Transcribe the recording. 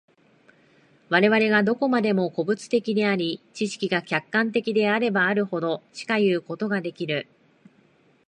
我々がどこまでも個物的であり、知識が客観的であればあるほど、しかいうことができる。